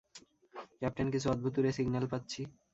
Captain, কিছু অদ্ভুতুড়ে signal পাচ্ছি।